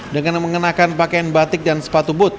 dengan mengenakan pakaian batik dan sepatu booth